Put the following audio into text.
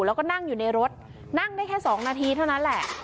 แล้วก็นั่งอยู่ในรถนั่งได้แค่๒นาทีเท่านั้นแหละ